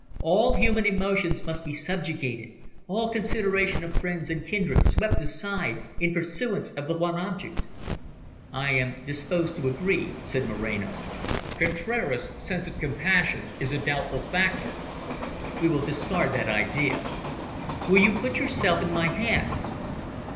All human emotions must be subjugated, all consideration of friends and kindred swept aside, in pursuance of the one object." "I am disposed to agree," said Moreno. "Contraras' sense of compassion is a doubtful factor. We will discard that idea. Will you put yourself in my hands?"